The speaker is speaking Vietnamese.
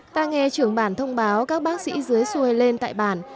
ta nghe trưởng bản thông báo các bác sĩ dưới xuôi lên tại bản